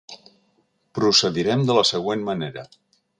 Procedirem de la següent manera.